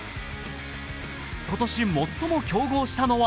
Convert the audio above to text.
今年最も競合したのは